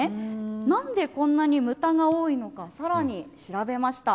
なんで、こんなに牟田が多いのかさらに調べました。